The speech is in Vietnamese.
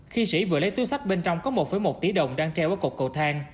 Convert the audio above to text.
khi sĩ vừa lấy túi sách bên trong có một một tỷ đồng đang treo ở cột cầu thang